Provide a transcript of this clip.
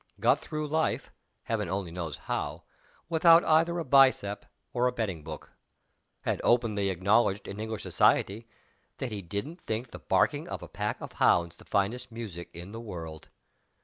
Got through life. (Heaven only knows how!) without either a biceps or a betting book. Had openly acknowledged, in English society, that he didn't think the barking of a pack of hounds the finest music in the world.